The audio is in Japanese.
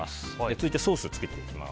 続いてソースを作っていきます。